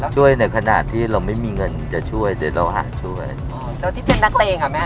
ในขณะที่เราไม่มีเงินจะช่วยแต่เราหาช่วยอ๋อแล้วที่เป็นนักเลงอ่ะแม่